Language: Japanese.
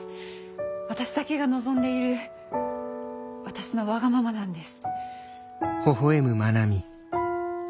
私だけが望んでいる私のわがままなんです。